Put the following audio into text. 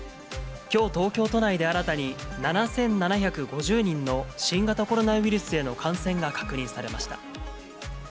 きょう東京都内で、新たに７７５０人の新型コロナウイルスへの感染が確認されました。